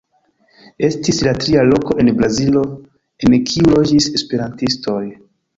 Estis la tria loko en Brazilo en kiu loĝis esperantistoj.